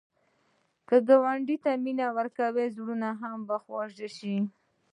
که ګاونډي ته مینه ورکړې، زړونه به خوږ شي